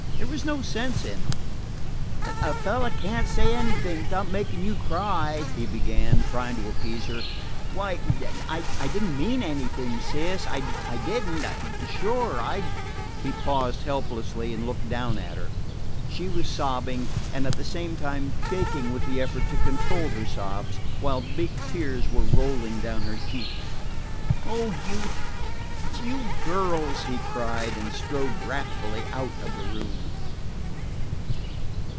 There was no sense in them. "A fellow can't say anything without making you cry," he began, trying to appease her. "Why, I did n't mean anything, Sis. I did n't, sure. I " He paused helplessly and looked down at her. She was sobbing, and at the same time shaking with the effort to control her sobs, while big tears were rolling down her cheeks. "Oh, you you girls!" he cried, and strode wrathfully out of the room.